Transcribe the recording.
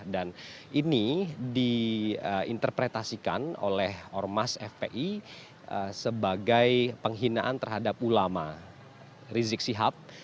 dan ini diinterpretasikan oleh ormas fpi sebagai penghinaan terhadap ulama rizik sihab